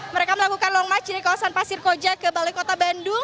mereka melakukan long march di kawasan pasir koja ke balai kota bandung